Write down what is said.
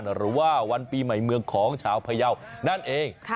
หรือว่าวันปีใหม่เมืองของชาวพยาวนั่นเอง